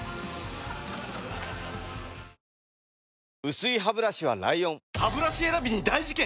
薄いハブラシは ＬＩＯＮハブラシ選びに大事件！